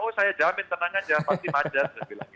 oh saya jamin tenangan ya pasti macet